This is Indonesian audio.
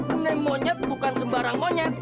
karena monyet bukan sembarang monyet